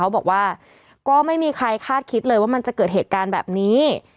บอกว่าก็ไม่มีใครคาดคิดเลยว่ามันจะเกิดเหตุการณ์แบบนี้